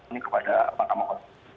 ini kepada pak kamohon